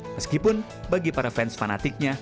meskipun bagi para fans fanatiknya